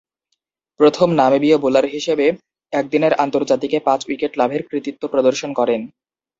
প্রথম নামিবীয় বোলার হিসেবে একদিনের আন্তর্জাতিকে পাঁচ-উইকেট লাভের কৃতিত্ব প্রদর্শন করেন।